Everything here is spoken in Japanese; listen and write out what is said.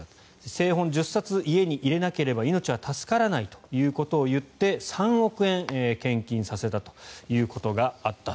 聖本１０冊家に入れなければ命は助からないということを言って３億円、献金させたということがあった。